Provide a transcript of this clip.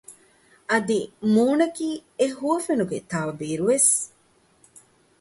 އަދި މޫނަކީ އެ ހުވަފެނުގެ ތައުބީރު ވެސް